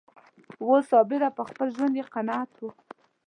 وو صابره پر خپل ژوند یې قناعت و